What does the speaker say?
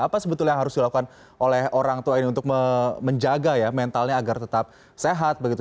apa sebetulnya yang harus dilakukan oleh orang tua ini untuk menjaga ya mentalnya agar tetap sehat begitu